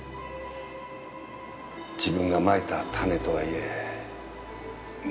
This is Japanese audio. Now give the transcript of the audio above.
自分がまいた種とはいえむごい事を。